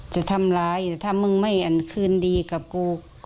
จะทำร้ายแต่ถ้ามึงไม่อันคืนดีกับกู